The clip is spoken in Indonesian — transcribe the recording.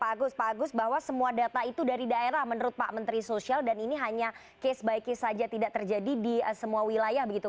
pak agus pak agus bahwa semua data itu dari daerah menurut pak menteri sosial dan ini hanya case by case saja tidak terjadi di semua wilayah begitu